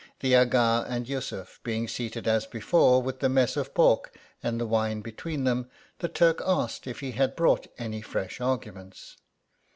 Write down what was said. The Aga and Yussuf beini; seated as before, with the mess of pork and the wine between lliem, the Turk asked, if he had brou:_;ht any fresh arguments.